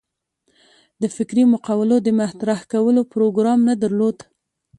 د فکري مقولو د مطرح کولو پروګرام نه درلود.